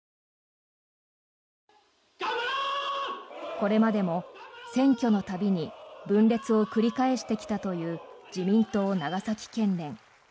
これまでも選挙の度に分裂を繰り返してきたという自民党長崎県連。